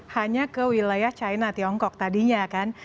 hanya ke wilayah china tiongkok tadinya kan